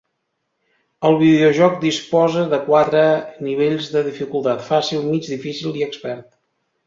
El videojoc disposa de quatre nivells de dificultat: fàcil, mig, difícil i expert.